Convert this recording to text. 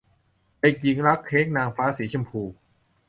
เด็กหญิงรักเค้กนางฟ้าสีชมพู